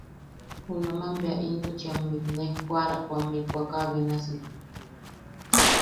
Junaman bea intuchi am mikne joarapo am mikwaka benasi.